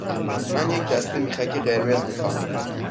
من یک دسته میخک قرمز می خواهم.